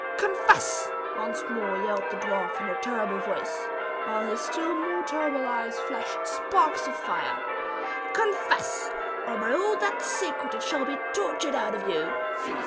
"Confess!" once more yelled the dwarf in a terrible voice, while his still more terrible eyes flashed sparks of fire "confess, or by all that's sacred it shall be tortured out of you.